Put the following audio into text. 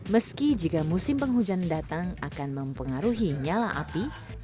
meski jika musim penghujan datang akan mempengaruhi nyala api